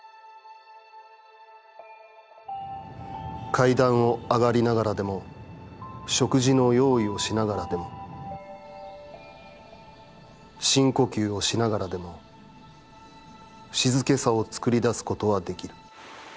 「階段をあがりながらでも、食事の用意をしながらでも深呼吸をしながらでも、静けさをつくりだすことはできる。